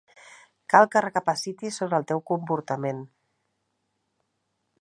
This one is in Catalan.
Cal que recapacitis sobre el teu comportament.